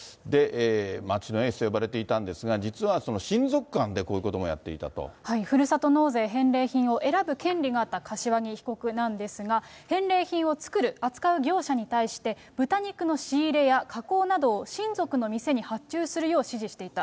町のエースと呼ばれていたんですが、実はその親族間でこういうこふるさと納税返礼品を選ぶ権利があった柏木被告なんですが、返礼品を作る、扱う業者に対して、豚肉の仕入れや加工などを親族の店に発注するよう指示していた。